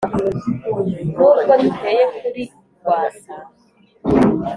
n'ubwo duteye kuri rwasa